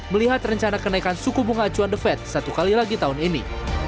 melihat rencana kenaikan suku bunga acuan the fed satu kali lagi tahun ini